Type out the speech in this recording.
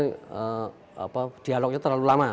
misalnya dialognya terlalu lama